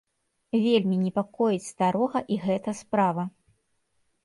Вельмі непакоіць старога і гэта справа.